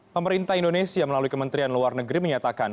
pemerintah indonesia melalui kementerian luar negeri menyatakan